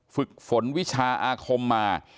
ฝึกฝนวิชาอาคมมา